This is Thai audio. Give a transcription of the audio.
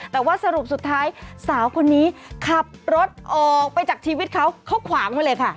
แต่ว่าสรุปสุดท้ายสาวคนนี้ขับรถออกไปจากชีวิตเขาเขาขวางไว้เลยค่ะ